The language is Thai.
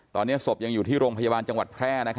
ตอนนี้ศพยังอยู่ที่โรงพยาบาลจังหวัดแพร่